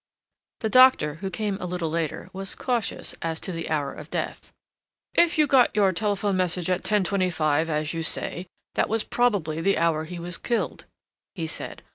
The doctor, who came a little later, was cautious as to the hour of death. "If you got your telephone message at 10.25, as you say, that was probably the hour he was killed," he said.